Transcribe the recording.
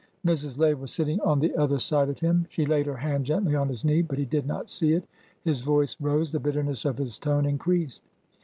Mrs. Lay was sitting on the other side of him. She laid her hand gently on his knee, but he did not see it. His voice rose. The bitterness of his tone increased.